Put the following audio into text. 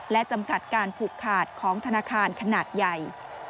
และจำกัดการผูกขาดของธนาคารขนาดใหญ่